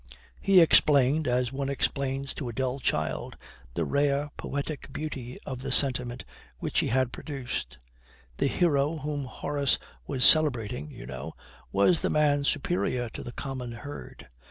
He explained, as one explains to a dull child, the rare poetic beauty of the sentiment which he had produced. The hero whom Horace was celebrating, you know, was the man superior to the common herd.